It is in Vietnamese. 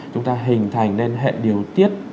chúng ta hình thành nên hệ điều tiết